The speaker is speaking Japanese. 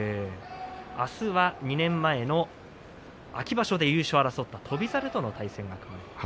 あすは２年前、秋場所で優勝を争った翔猿との対戦が組まれています。